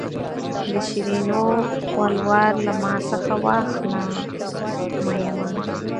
د شیرینو ولور له ما څخه واخله مینه.